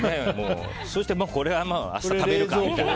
そしてこれは明日食べるかみたいな。